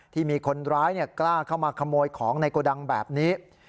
ที่มีคนร้ายกล้าเข้ามาขโมยของในโกดังแบบนี้